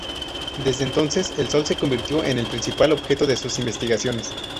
Desde entonces, el Sol se convirtió en el principal objeto de sus investigaciones.